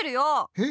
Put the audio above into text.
えっ。